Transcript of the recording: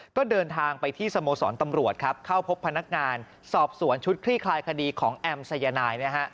ก็เดินทางไปที่สโมสรตำรวจครับเข้าพบพนักงานสอบสวนชุดคลี่คลายคดีของแอมสายนายนะฮะ